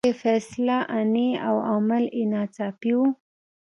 ځکه یې فیصله آني او عمل یې ناڅاپي وي.